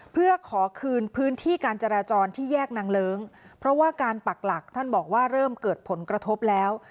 เพื่อขอคืนพื้นที่การจราจรที่แยกนางเลิ้งเพราะว่าการปักหลักท่านบอกว่าเริ่มเกิดผลกระทบแล้ว